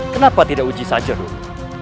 kenapa tidak uji saja dong